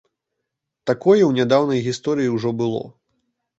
Такое ў нядаўняй гісторыі ўжо было.